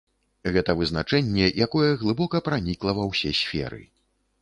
Гэта вызначэнне, якое глыбока пранікла ва ўсе сферы.